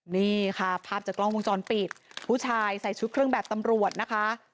นี่ค่ะภาพจากกล้องวงจรปิดผู้ชายใส่ชุดเครื่องแบบตำรวจนะคะ